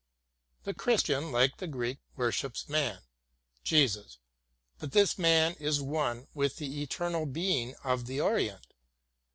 The Christian, like the Greek, worships man — Jesus; but this man is one with the eternal being of the Orient.